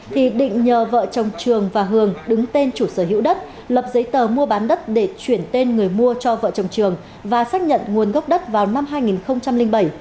thì định nhờ vợ chồng trường và hường đứng tên chủ sở hữu đất lập giấy tờ mua bán đất để chuyển tên người mua cho vợ chồng trường và xác nhận nguồn gốc đất vào năm hai nghìn bảy